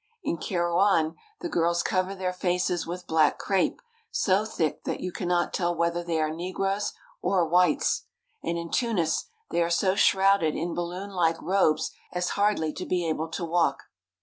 In Kairouan the girls cover their faces with black crepe so thick that you cannot tell whether they are negroes or whites; and in Tunis they are so shrouded in balloon like robes as hardly to be able to walk.